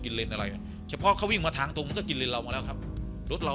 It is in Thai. เลนอะไรเฉพาะเขาวิ่งมาทางตรงมันก็กินเลนเรามาแล้วครับรถเรา